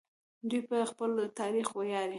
دوی په خپل تاریخ ویاړي.